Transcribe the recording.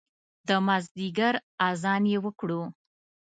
د مازدیګر اذان یې وکړو